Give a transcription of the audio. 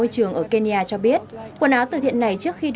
xin kính chào tạm biệt và hẹn gặp lại